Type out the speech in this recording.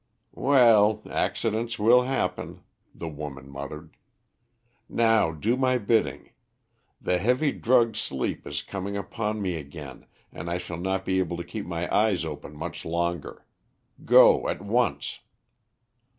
"Well, accidents will happen," the woman muttered. "Now do my bidding. The heavy drugged sleep is coming upon me again, and I shall not be able to keep my eyes open much longer. Go at once."